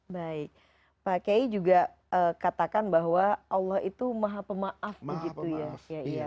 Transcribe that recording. baik pak kiai juga katakan bahwa allah itu maha pemaaf begitu ya